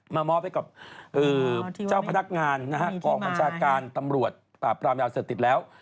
มามอบให้กับเจ้าพนักงานกองบัญชาการตำรวจปราบปรามยาเสพติดแล้ว